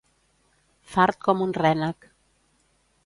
Fart com un rènec.